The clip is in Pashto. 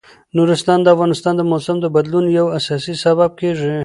نورستان د افغانستان د موسم د بدلون یو اساسي سبب کېږي.